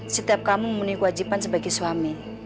setiap kamu memenuhi kewajiban sebagai suami